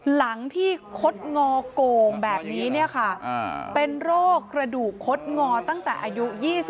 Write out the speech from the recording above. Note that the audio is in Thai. หลังที่คดงอโกงแบบนี้เป็นโรคกระดูกคดงอตั้งแต่อายุ๒๕